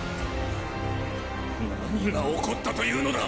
なにが起こったというのだ！？